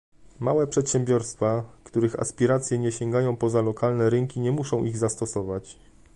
Małe przedsiębiorstwa, których aspiracje nie sięgają poza lokalne rynki nie muszą ich zastosować